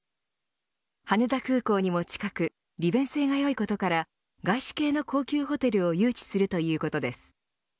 羽田空港にも近く利便性がよいことから外資系の高級ホテルを誘致するということです。